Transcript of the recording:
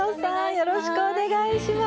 よろしくお願いします。